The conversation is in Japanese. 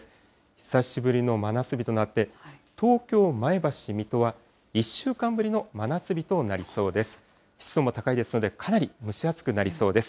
久しぶりの真夏日となって、東京、前橋、水戸は１週間ぶりの真夏日となりそうです。